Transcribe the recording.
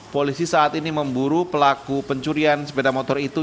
polisi saat ini memburu pelaku pencurian sepeda motor itu